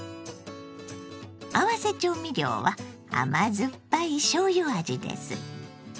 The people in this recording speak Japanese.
合わせ調味料は甘酸っぱいしょうゆ味です。